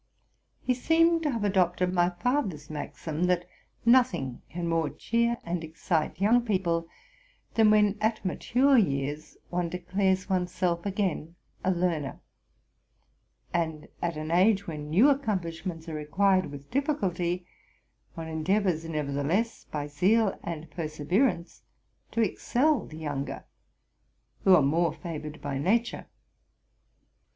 He seemed to have adopted my father's maxim, that nothing can more cheer and excite young people, than when at mature years one declares one's self again a learner; and at an age when anew accomplishments are acquired with difficulty, one en deavors, nevertheless, by zeal and perseverance, to excel the younger, who are more favored by nature.